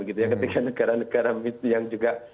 ketika negara negara yang juga